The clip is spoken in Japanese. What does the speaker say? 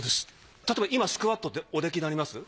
例えば今スクワットっておできなります？